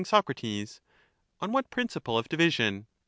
Soc, On what principle of division